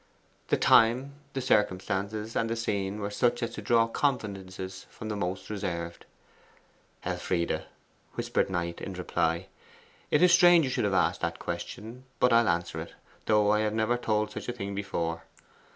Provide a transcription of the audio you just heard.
The time, the circumstances, and the scene were such as to draw confidences from the most reserved. 'Elfride,' whispered Knight in reply, 'it is strange you should have asked that question. But I'll answer it, though I have never told such a thing before.